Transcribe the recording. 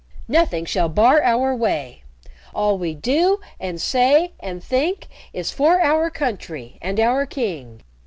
Nothing shall bar our way. All we do and say and think is for our country and our king.